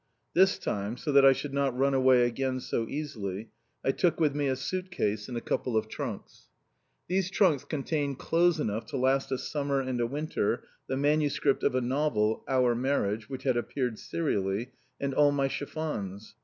This time, so that I should not run away again so easily, I took with me a suit case, and a couple of trunks. These trunks contained clothes enough to last a summer and a winter, the MS. of a novel "Our Marriage," which had appeared serially, and all my chiffons.